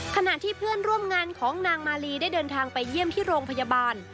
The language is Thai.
ขณะที่เพื่อนร่วมงานของนางมาลีได้เดินทางไปเยี่ยมที่โรงพยาบาล